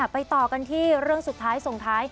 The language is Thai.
ไปต่อกันที่เรื่องสุดท้ายส่งท้าย